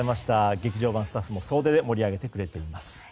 劇場版スタッフも総出で盛り上げてくれています。